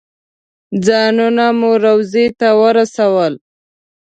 ځانونه مو روضې ته ورسول.